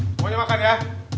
semuanya makan ya